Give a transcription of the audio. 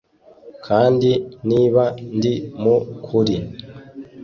kandi niba ndi mu kuri